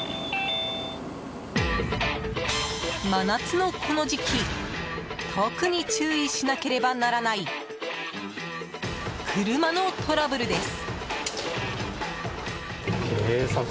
真夏のこの時期特に注意しなければならない車のトラブルです。